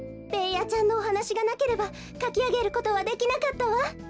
ベーヤちゃんのおはなしがなければかきあげることはできなかったわ。